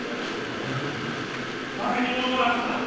これから言うこと誰にも漏らすな。